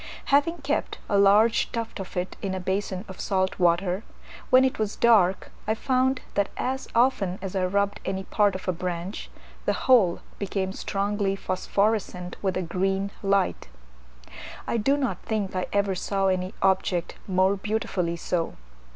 Having kept a large tuft of it in a basin of salt water, when it was dark I found that as often as I rubbed any part of a branch, the whole became strongly phosphorescent with a green light: I do not think I ever saw any object more beautifully so.